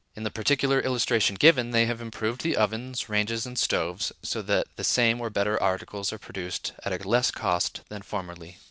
In the particular illustration given they have improved the ovens, ranges, and stoves, so that the same or better articles are produced at a less cost than formerly.